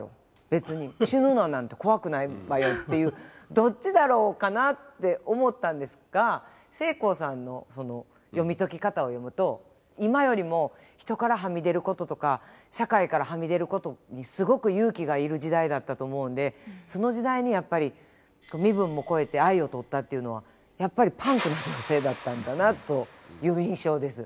別に死ぬのなんて怖くないわよ」っていうどっちだろうかなって思ったんですがせいこうさんの読み解き方を読むと今よりも人からはみ出ることとか社会からはみ出ることにすごく勇気がいる時代だったと思うんでその時代にやっぱり身分もこえて愛をとったっていうのはやっぱりパンクな女性だったんだなという印象です。